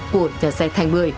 của nhà xe thành một mươi